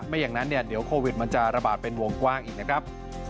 อย่างนั้นเนี่ยเดี๋ยวโควิดมันจะระบาดเป็นวงกว้างอีกนะครับ